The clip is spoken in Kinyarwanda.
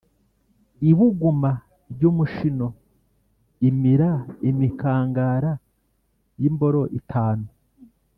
ibuguma y'umushino imira imikangara y'imboro itanu